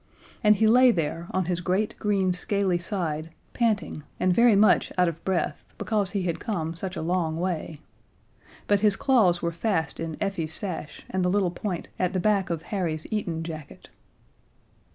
And he lay there on his great green scaly side, panting, and very much out of breath, because he had come such a long way. But his claws were fast in Effie's sash and the little point at the back of Harry's Eton jacket.